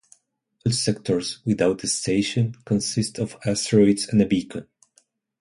All sectors, without a station, consist of asteroids and a beacon.